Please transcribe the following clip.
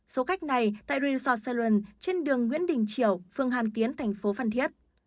số khách này tại resort salon trên đường nguyễn đình triệu phương hàm tiến thành phố văn thiết